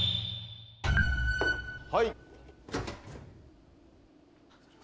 はい。